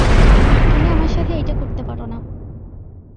তুমি আমার সাথে এইটা করতে পারোনা।